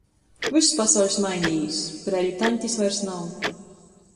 Vyss pasauļs mainejīs — Preiļu taņtis vairs nav.